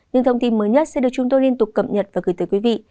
những thông tin mới nhất sẽ được chúng tôi liên tục cập nhật và gửi tới quý vị